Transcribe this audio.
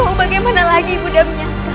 mau bagaimana lagi ibunda menyapa